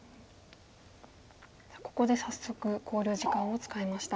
さあここで早速考慮時間を使いました。